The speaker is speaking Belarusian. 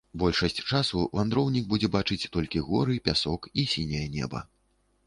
Большасць часу вандроўнік будзе бачыць толькі горы, пясок і сіняе неба.